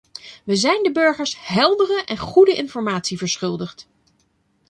Wij zijn de burgers heldere en goede informatie verschuldigd.